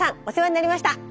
お世話になりました。